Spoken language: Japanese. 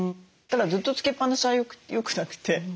ただずっとつけっぱなしはよくなくて。